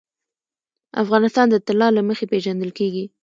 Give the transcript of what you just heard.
افغانستان د طلا له مخې پېژندل کېږي.